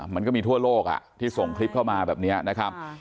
มันก็มีทั่วโลกที่ส่งคลิปเข้ามาแบบนี้นะครับ